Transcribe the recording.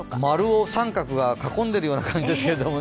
○を△が囲んでいるような感じですけどね。